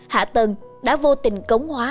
hạ tầng đã vô tình cống hóa